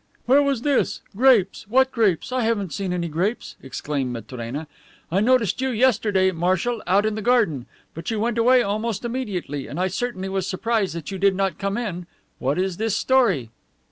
"Where was this? Grapes? What grapes? I haven't seen any grapes!" exclaimed Matrena. "I noticed you, yesterday, marshal, out in the garden, but you went away almost immediately, and I certainly was surprised that you did not come in. What is this story?"